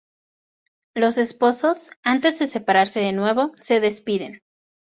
Los esposos, antes de separarse de nuevo, se despiden.